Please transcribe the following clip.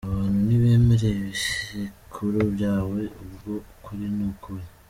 Abantu ntibemera ibi bisekuru byawe, ubwo ukuri ni ukuhe?.